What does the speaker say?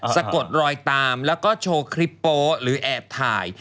สะกดรอยตามแล้วก็โชว์คลิปโป๊หรือแอบถ่าย